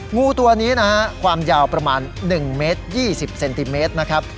งูตัวนี้นะฮะความยาวประมาณ๑เมตร๒๐เซนติเมตรนะครับ